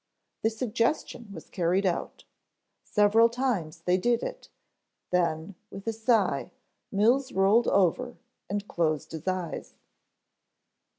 The suggestion was carried out. Several times they did it, then, with a sigh, Mills rolled over and closed his eyes.